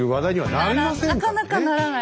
なかなかならない。